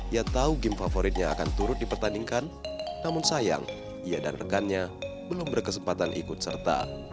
ia tahu game favoritnya akan turut dipertandingkan namun sayang ia dan rekannya belum berkesempatan ikut serta